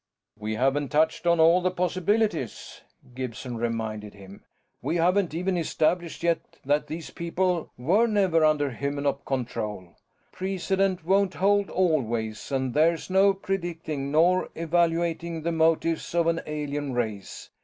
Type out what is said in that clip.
"We haven't touched on all the possibilities," Gibson reminded him. "We haven't even established yet that these people were never under Hymenop control. Precedent won't hold always, and there's no predicting nor evaluating the motives of an alien race.